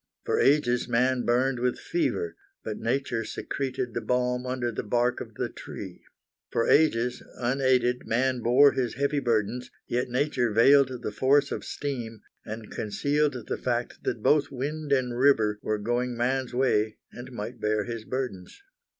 For ages man burned with fever, but nature secreted the balm under the bark of the tree. For ages, unaided, man bore his heavy burdens, yet nature veiled the force of steam and concealed the fact that both wind and river were going man's way and might bear his burdens.